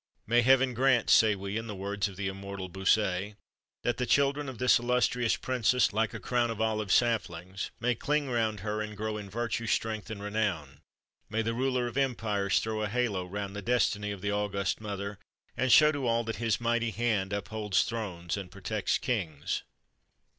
"May Heaven grant," say we, in the words of the immortal Bossuet, "that the children of this illustrious princess, like a crown of olive saplings, may cling round her, and grow in virtue, strength, and renown; may the Ruler of empires throw a halo round the destiny of the august mother, and show to all that His mighty hand upholds thrones and protects kings!"